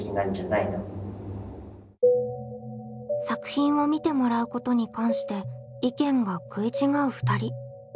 作品を見てもらうことに関して意見が食い違う２人。